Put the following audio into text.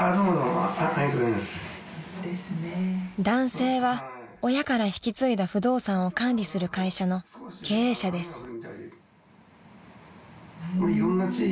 ［男性は親から引き継いだ不動産を管理する会社の経営者です］